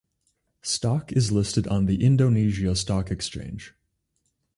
Stock is listed on the Indonesia Stock Exchange.